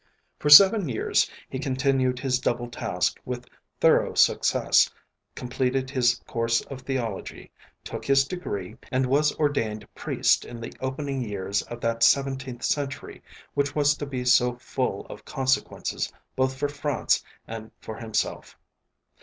For seven years he continued this double task with thorough success, completed his course of theology, took his degree, and was ordained priest in the opening years of that seventeenth century which was to be so full of consequences both for France and for himself.